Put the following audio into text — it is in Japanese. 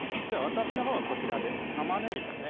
私のほうはこちらで玉ねぎですね